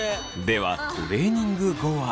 ではトレーニング後は。